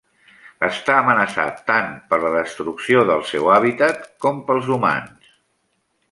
Està amenaçat tant per la destrucció del seu hàbitat pels humans.